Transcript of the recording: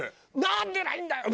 なんでないんだよ！